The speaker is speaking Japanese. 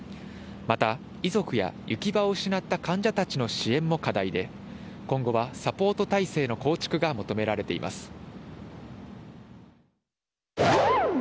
また、遺族や行き場を失った患者たちの支援も課題で、今後はサポート体制の構築が求められています。